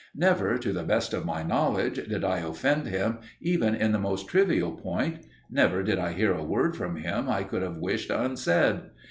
Never, to the best of my knowledge, did I offend him even in the most trivial point; never did I hear a word from him I could have wished unsaid.